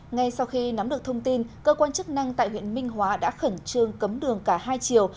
ngay sau khi nắm được thông tin cơ quan chức năng tại huyện minh hóa đã khẩn trương cấm đường cả hai chiều